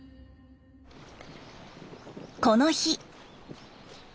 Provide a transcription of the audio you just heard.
この日。